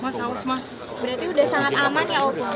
mas berarti sudah sangat aman ya